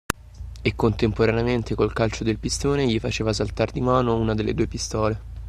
E contemporaneamente col calcio del pistone gli faceva saltar di mano una delle due pistole